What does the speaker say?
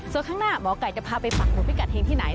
ส่วนข้างหน้าหมอไก่จะพาไปปักหมุดพิกัดเฮงที่ไหน